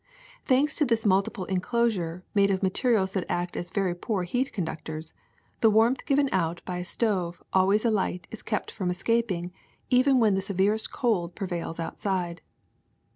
Thanks to this multiple enclosure made of materials that act as very poor heat conductors, the warmth given out by a stove always alight is kept from escaping even when the severest cold prevails outside.